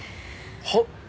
はっ？